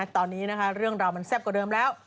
ตอนนี้เรื่องราวมันแซ่บกว่าเดิมแล้ว